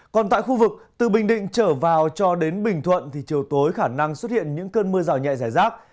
còn tại khu vực từ bình định trở vào cho đến bình thuận thì chiều tối khả năng xuất hiện những cơn mưa rào nhẹ giải rác